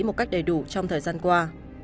một cách đầy đủ trong thời gian qua